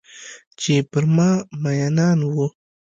چې پر ما میینان وه